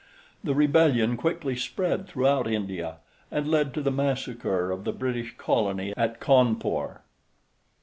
The rebellion quickly spread throughout India and led to the massacre of the British Colony at Cawnpore.).